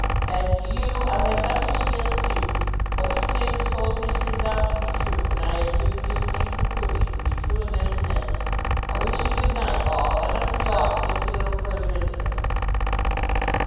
As to you, I have nothing against you; what you came and told me turns out to be true, and I have given you the means of proving it to be true, and there's an end of it. I wish you good night all! I must be off to look a little further into this.